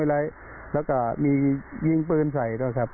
แล้วก็มียิ่งปืนใส่ตรงนั้น